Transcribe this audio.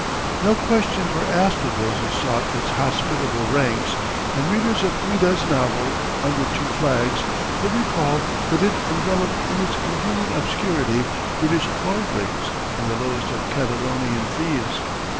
No questions were asked of those who sought its hospitable ranks, and readers of Ouida's novel Under Two Flags will recall that it enveloped in its convenient obscurity British lordlings and the lowest of Catalonian thieves.